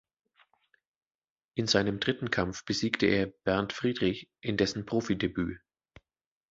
In seinem dritten Kampf besiegte er Bernd Friedrich in dessen Profidebüt.